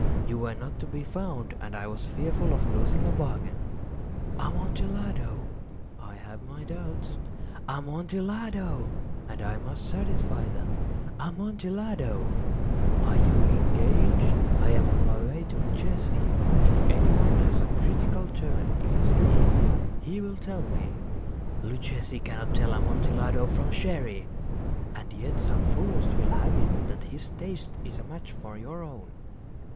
You were not to be found, and I was fearful of losing a bargain." "Amontillado!" "I have my doubts." "Amontillado!" "And I must satisfy them." "Amontillado!" "As you are engaged, I am on my way to Luchesi. If any one has a critical turn, it is he. He will tell me—" "Luchesi cannot tell Amontillado from Sherry." "And yet some fools will have it that his taste is a match for your own."